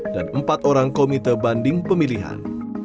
dan empat orang komite banding pemilihan